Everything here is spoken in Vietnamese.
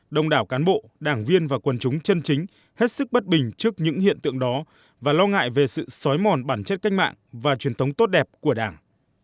đồng đảo cán bộ đảng viên và quần chúng chân chính hết sức bất bình trước những hiện tượng đó và lo ngại về sự xói mòn bản chất cách mạng và truyền thống tốt đẹp của đảng